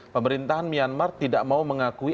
pemerintahan myanmar tidak mau mengakui